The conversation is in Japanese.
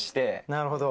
なるほど。